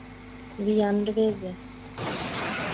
— Виян рвезе!